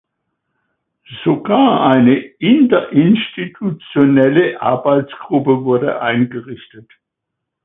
Sogar eine interinstitutionelle Arbeitsgruppe wurde eingerichtet.